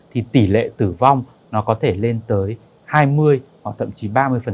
thì tỷ lệ tử vong nó có thể lên tới hai mươi hoặc thậm chí ba mươi